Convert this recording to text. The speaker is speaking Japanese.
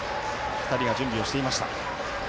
２人が準備をしていました。